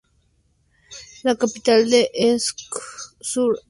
La capital es Esch-sur-Alzette.